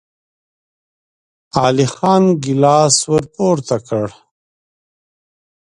علی خان ګيلاس ور پورته کړ.